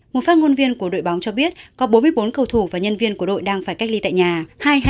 một phát ngôn viên của đội bóng cho biết có bốn mươi bốn cầu thủ và nhân viên của đội đang phải cách ly tại nhà